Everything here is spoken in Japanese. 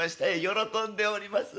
喜んでおります。